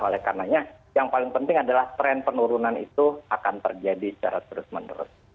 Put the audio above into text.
oleh karenanya yang paling penting adalah tren penurunan itu akan terjadi secara terus menerus